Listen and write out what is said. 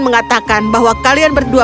mengatakan bahwa kalian berdua